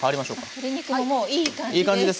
鶏肉ももういい感じです。